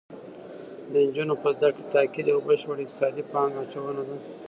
د نجونو په زده کړه تاکید یو بشپړ اقتصادي پانګه اچونه ده